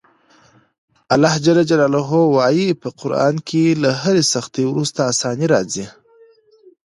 الله ج وایي په قران کې له هرې سختي وروسته اساني راځي.